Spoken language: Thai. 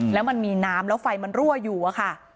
แล้วมันมีน้ำแล้วไฟมันรั่วอยู่อะค่ะ